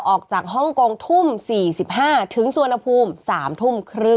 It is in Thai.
ออกจากฮ่องกงทุ่ม๔๕ถึงสุวรรณภูมิ๓ทุ่มครึ่ง